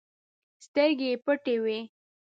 سترګې يې پټې وې.